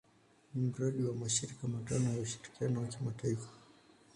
Ni mradi wa mashirika matano ya ushirikiano wa kimataifa.